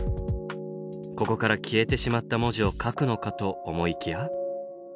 ここから消えてしまった文字を書くのかと思いきや。